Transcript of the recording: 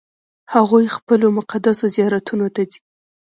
هغوی خپلو مقدسو زیارتونو ته ځي.